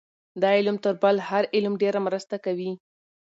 دا علم تر بل هر علم ډېره مرسته کوي.